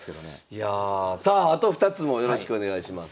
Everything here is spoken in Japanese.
いやあさああと２つもよろしくお願いします。